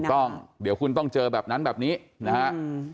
ต้องเดี๋ยวคุณต้องเจอแบบนั้นแบบนี้นะฮะ